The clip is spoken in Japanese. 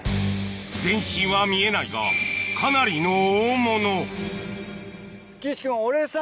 全身は見えないがかなりの大物岸君俺さ。